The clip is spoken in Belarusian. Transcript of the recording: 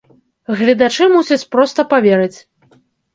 Гледачы мусяць проста паверыць.